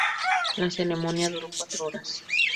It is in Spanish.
La ceremonia duró cuatro horas.